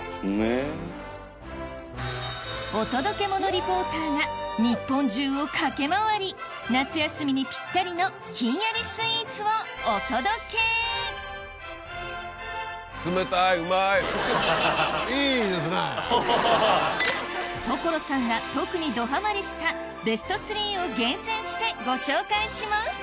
リポーターが日本中を駆け回り夏休みにぴったりのひんやりスイーツをお届け所さんが特にどハマりしたベスト３を厳選してご紹介します